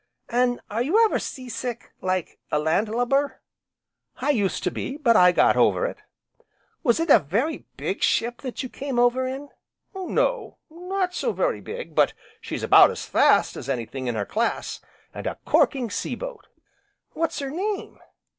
"An' are you ever sea sick, like a 'landlubber?'" "I used to be, but I got over it." "Was it a very big ship that you came over in?" "No, not so very big, but she's about as fast as anything in her class, and a corking sea boat." "What's her name?"